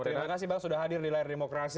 terima kasih bang sudah hadir di layar demokrasi